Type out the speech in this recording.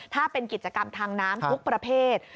ถ้าเป็นกิจกรรมทางน้ำทุกประเภท